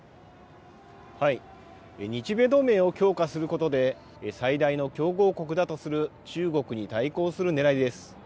日米同盟を強化することで、最大の競合国だとする中国に対抗するねらいです。